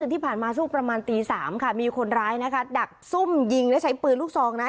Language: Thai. ที่ผ่านมาประมาณตี๓มีคนร้ายดักซุ่มยิงใช้ปืนลูกทรอง